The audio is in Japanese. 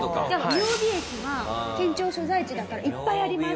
雅美駅は県庁所在地だからいっぱいあります。